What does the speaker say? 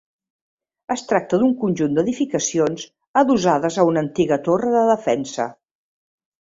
Es tracta d'un conjunt d'edificacions adossades a una antiga torre de defensa.